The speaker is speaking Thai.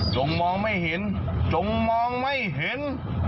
มองไม่เห็นจงมองไม่เห็น